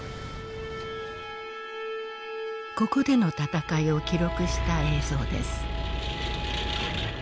ここでの戦いを記録した映像です。